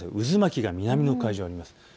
渦巻きが南の海上にあります。